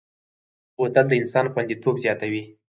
بوتل د انسان خوندیتوب زیاتوي.